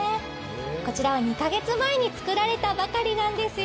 こちらは２か月前に作られたばかりなんですよ。